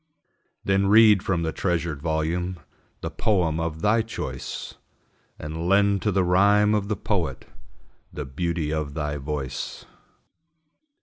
Then read from the treasured volume The poem of thy choice, And lend to the rhyme of the poet The beauty of thy voice.